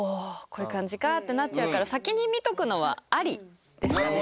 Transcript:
こういう感じかってなっちゃうから先に見とくのはありですね。